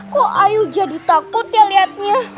kok ayu jadi takut ya liatnya